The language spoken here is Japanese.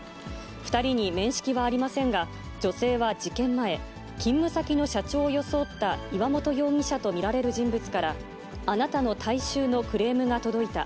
２人に面識はありませんが、女性は事件前、勤務先の社長を装った岩本容疑者と見られる人物から、あなたの体臭のクレームが届いた。